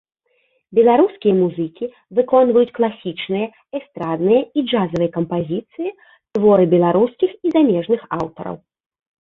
Беларускія музыкі выконваюць класічныя, эстрадныя і джазавыя кампазіцыі, творы беларускіх і замежных аўтараў.